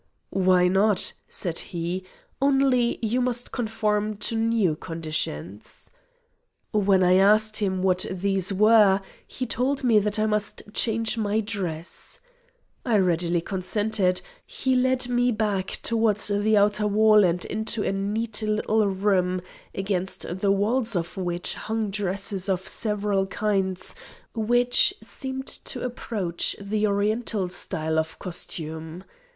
"Why not?" said he, "only you must conform to new conditions." When I asked him what these were, he told me that I must change my dress. I readily consented; he led me back towards the outer wall and into a neat little room, against the walls of which hung dresses of several kinds which seemed to approach the oriental style of costume.